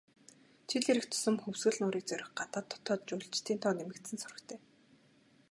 Жил ирэх тусам Хөвсгөл нуурыг зорих гадаад, дотоод жуулчдын тоо нэмэгдсэн сурагтай.